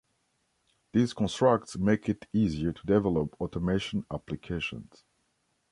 These constructs make it easier to develop automation applications.